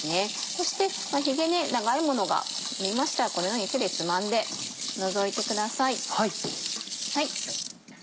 そしてヒゲ長いものがありましたらこのように手でつまんで除いてください。